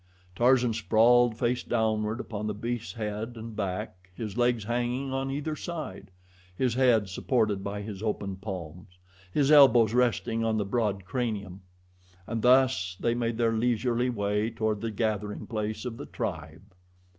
Tarzan sprawled face downward upon the beast's head and back, his legs hanging on either side, his head supported by his open palms, his elbows resting on the broad cranium. And thus they made their leisurely way toward the gathering place of the tribe.